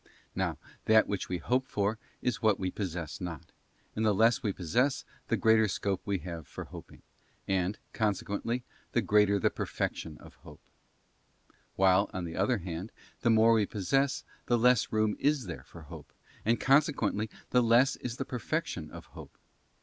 Now, that which we hope for is what we possess not, and the less we possess the greater scope we have for hoping, and, consequently, the greater the perfection of hope; while, on the other hand, the more we possess the less room is there for hope, and, consequently, the less is the perfection of hope.